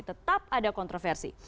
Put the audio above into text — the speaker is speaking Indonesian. tetap ada kontroversi